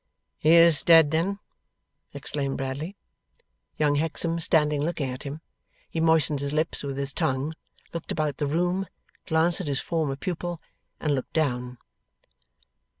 'He is dead, then!' exclaimed Bradley. Young Hexam standing looking at him, he moistened his lips with his tongue, looked about the room, glanced at his former pupil, and looked down.